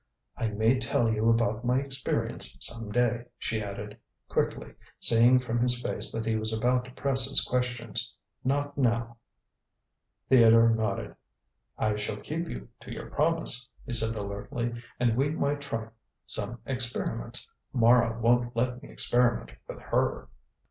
"I may tell you about my experience some day," she added, quickly, seeing from his face that he was about to press his questions. "Not now." Theodore nodded. "I shall keep you to your promise," he said alertly, "and we might try some experiments. Mara won't let me experiment with her."